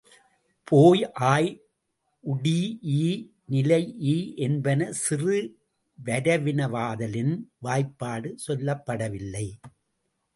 போய், ஆய், உடீஇ, நிலைஇ என்பன சிறு வரவினவாதலின் வாய்பாடு சொல்லப்படவில்லை.